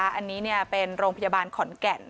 อันนี้เป็นโรงพยาบาลขอนแก่น